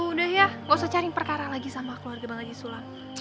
udah ya gak usah cari perkara lagi sama keluarga bang lagi sulam